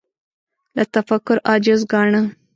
له تفکر عاجز ګاڼه